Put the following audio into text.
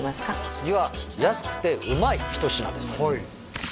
次は安くてうまい一品ですはい